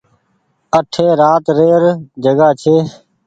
اٺي رات ري ر جگآ ڇي۔